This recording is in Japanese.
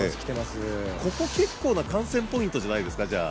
ここ結構な観戦ポイントじゃないですか。